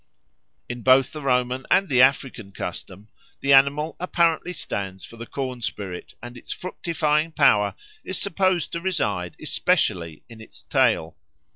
In both the Roman and the African custom the animal apparently stands for the corn spirit, and its fructifying power is supposed to reside especially in its tail.